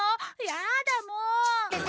やだあもう！